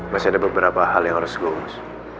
masih ada beberapa hal yang harus gue umus